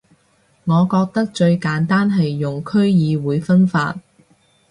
我覺得最簡單係用區議會分法